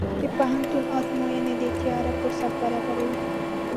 د پوهنتون ازموینې د تیاری فرصت برابروي.